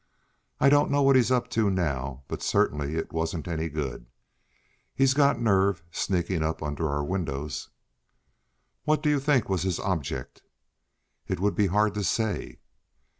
I don't know what he's up to now, but certainly it wasn't any good. He's got nerve, sneaking up under our windows!" "What do you think was his object?" "It would be hard to say."